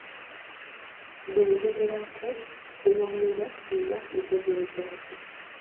Bwe njogera ku kuwanira, mba ntegeeza ki?